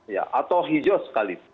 ya atau hijau sekali